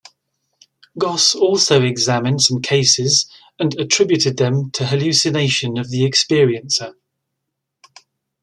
Goss also examined some cases and attributed them to hallucination of the experiencer.